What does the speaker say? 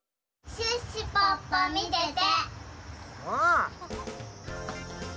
シュッシュポッポみてて！